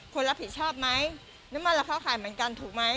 คนรับผิดชอบไหมน้ำมันราคาขายเหมือนกันถูกไหม